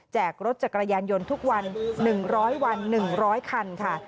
รถจักรยานยนต์ทุกวัน๑๐๐วัน๑๐๐คันค่ะ